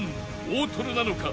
大トロなのか？